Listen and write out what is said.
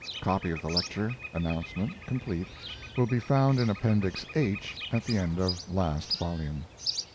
[Copy of the lecture announcement, complete, will be found in Appendix H, at the end of last volume.